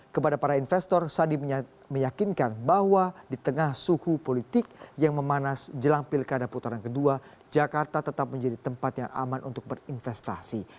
kepada para investor sandi meyakinkan bahwa di tengah suhu politik yang memanas jelang pilkada putaran kedua jakarta tetap menjadi tempat yang aman untuk berinvestasi